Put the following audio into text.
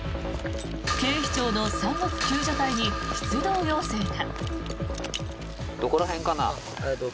警視庁の山岳救助隊に出動要請が。